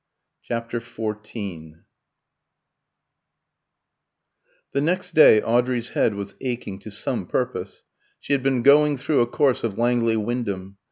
CHAPTER XIV The next day Audrey's head was aching to some purpose. She had been going through a course of Langley Wyndham.